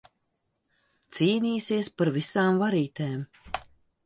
Cīnīsies par visām varītēm.